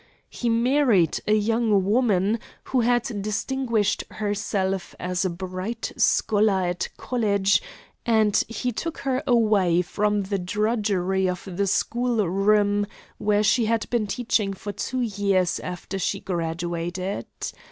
He married a young woman who had distinguished herself as a bright scholar at college, and he took her away from the drudgery of the schoolroom, where she had been teaching for two years after she graduated.